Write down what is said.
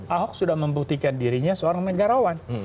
ahok sudah membuktikan dirinya seorang negarawan